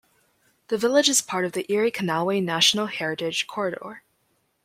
The village is part of the Erie Canalway National Heritage Corridor.